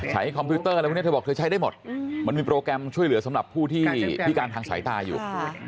คอมพิวเตอร์อะไรพวกนี้เธอบอกเธอใช้ได้หมดมันมีโปรแกรมช่วยเหลือสำหรับผู้ที่พิการทางสายตาอยู่